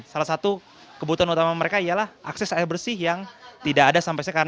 salah satu kebutuhan utama mereka ialah akses air bersih yang tidak ada sampai sekarang